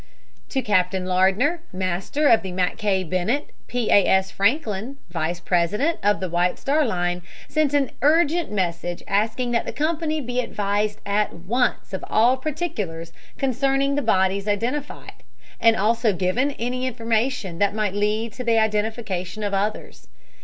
To Captain Lardner, master of the Mackay Bennett, P. A. S. Franklin, vice president of the White Star Line, sent an urgent message asking that the company be advised at once of all particulars concerning the bodies identified, and also given any information that might lead to the identification of others.